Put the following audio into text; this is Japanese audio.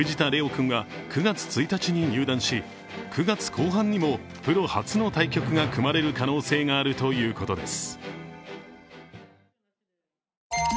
君は９月１日に入団し９月後半にもプロ初の対局が組まれる可能性があるということです。